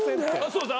そうです